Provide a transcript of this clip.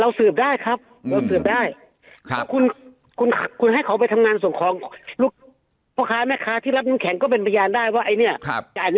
เราสืบได้ครับเราสืบได้คุณให้เขาไปทำงานส่งของลูกพ่อค้าแม่ค้าที่รับน้ำแข็งก็เป็นพยานได้ว่าไอเนี้ย